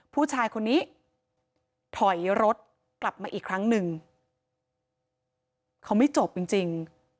ผู้ชายคนนี้ถอยรถกลับมาอีกครั้งหนึ่งเขาไม่จบจริงจริง